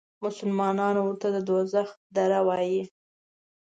مسلمانان ورته د دوزخ دره وایي.